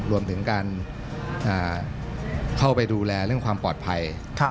รวมถึงการเข้าไปดูแลเรื่องความปลอดภัย